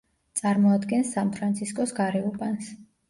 წარმოადგენს სან-ფრანცისკოს გარეუბანს.